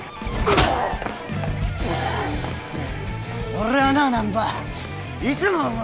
俺はな難破いつも思う。